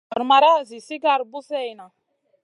Nan fi gor mara zi sigar buseyna.